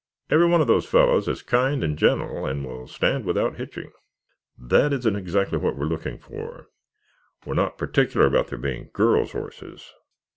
"Every one of those fellows is kind and gentle and will stand without hitching." "That isn't exactly what we are looking for. We are not particular about their being girls' horses.